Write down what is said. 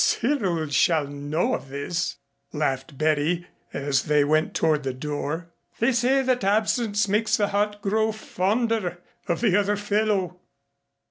"Cyril shall know of this," laughed Betty, as they went toward the door. "They say that absence makes the heart grow fonder of the other fellow."